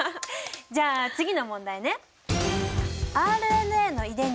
じゃあ次の問題ね！